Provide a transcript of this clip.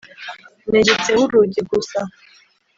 negetseho urugi gusa